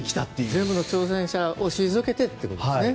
全部の挑戦者を退けてということですね。